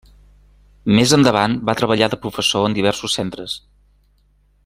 Més endavant va treballar de professor en diversos centres.